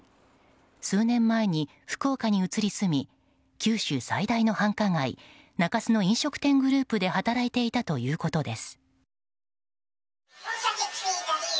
数年前に、福岡に移り住み九州最大の繁華街・中洲の飲食店グループで働いていたということです。